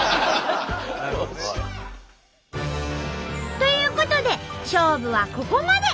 なるほどね。ということで勝負はここまで。